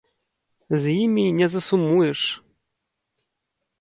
З імі не засумуеш!